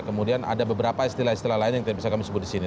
kemudian ada beberapa istilah istilah lain yang tidak bisa kami sebut di sini